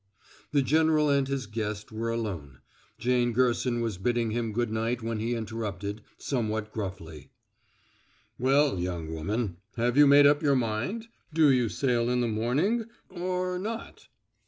The general and his guest were alone. Jane Gerson was bidding him good night when he interrupted, somewhat gruffly: "Well, young woman, have you made up your mind? Do you sail in the morning or not?"